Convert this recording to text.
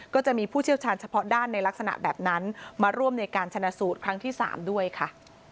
ก็จะมีผู้เชี่ยวชาญเฉพาะด้านในลักษณะแบบนั้นมาร่วมในการชนะสูตรครั้งที่๓ด้วยค่ะ